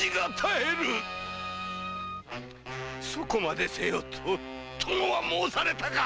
そこまでせよと殿は申されたか？